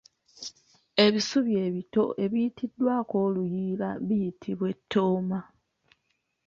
Ebisubi ebito ebiyitiddwako oluyiira biyitibwa ettooma